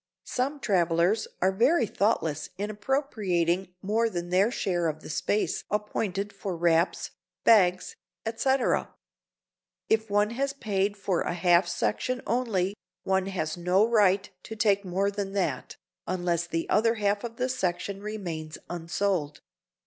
Some travelers are very thoughtless in appropriating more than their share of the space appointed for wraps, bags, etc. If one has paid for a half section only, one has no right to take more than that, unless the other half of the section remains unsold.